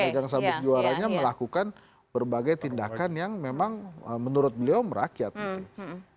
pedang sabuk juaranya melakukan berbagai tindakan yang memang menurut beliau merakyat gitu ya